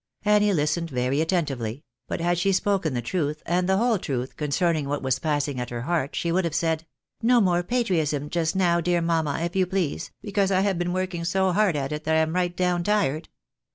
Annie Hstened very attentively ; but had she spoken the truth, and the whole truth, concerning what was passing at her heart, she would have said —" No more patriotism just now, dear mamma, if you please, because I have been working so hard at it, that I am right down tired."